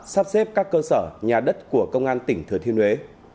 sắp xếp các cơ sở nhà đất của công an tỉnh thừa thiên huế